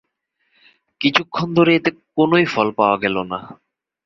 কিছুক্ষণ ধরে এতে কোনোই ফল পাওয়া গেল না।